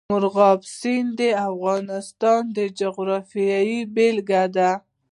مورغاب سیند د افغانستان د جغرافیې بېلګه ده.